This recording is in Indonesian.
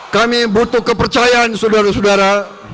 kami butuh kepercayaan saudara saudara